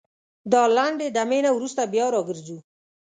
دا لنډې دمي نه وروسته بيا راګرځوو